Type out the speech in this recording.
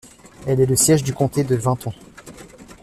Elle est le siège du comté de Vinton.